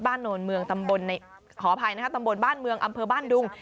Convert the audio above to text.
บ้านโนรกหอภัยนะครับบ้านเมืองอำเภอบ้านดุ้ง